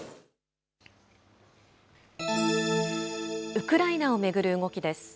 ウクライナを巡る動きです。